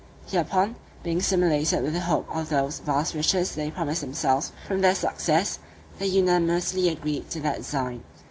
Hereupon, being stimulated with the hope of those vast riches they promised themselves from their success, they unanimously agreed to that design.